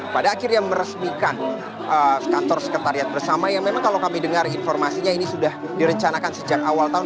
pada akhirnya meresmikan kantor sekretariat bersama yang memang kalau kami dengar informasinya ini sudah direncanakan sejak awal tahun